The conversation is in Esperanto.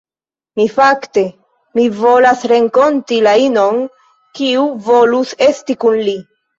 Mi, fakte, Mi volas renkonti la inon kiu volus esti kun li